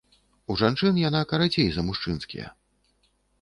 У жанчын яна карацей за мужчынскія.